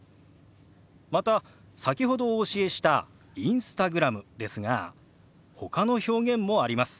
また先ほどお教えした「Ｉｎｓｔａｇｒａｍ」ですがほかの表現もあります。